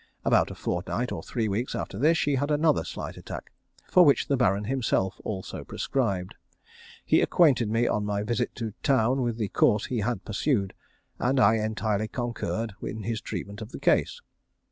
About a fortnight or three weeks after this she had another slight attack, for which the Baron himself also prescribed. He acquainted me on my visit to town with the course he had pursued, and I entirely concurred in his treatment of the case.